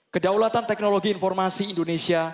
kedaulatan teknologi informasi indonesia